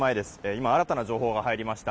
今、新たな情報が入りました。